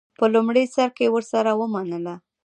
په لومړي سر کې ورسره ومنله.